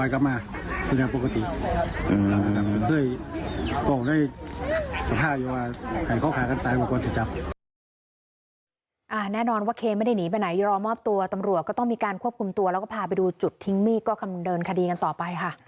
ก็ออกได้สภาพอย่างว่าใครเขาฆ่ากันตายก็ก็จะจับ